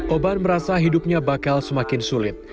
oban merasa hidupnya bakal semakin sulit